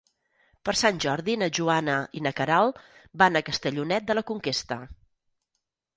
Per Sant Jordi na Joana i na Queralt van a Castellonet de la Conquesta.